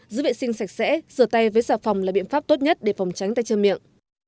giữ vệ sinh sạch sẽ sửa tay với xà phòng là biện pháp tốt nhất để phòng tránh tay chân miệng